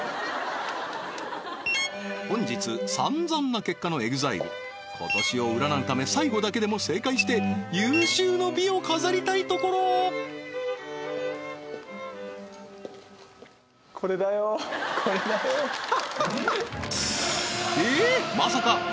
本日さんざんな結果のＥＸＩＬＥ今年を占うため最後だけでも正解して有終の美を飾りたいところこれだよはははっえっ？